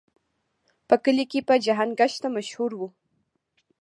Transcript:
په کلي کې په جهان ګشته مشهور و.